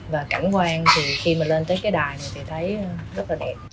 và cảnh quan thì khi mà lên tới cái đài này thì thấy rất là đẹp